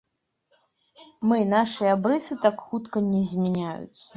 Мы, нашыя абрысы так хутка не змяняюцца.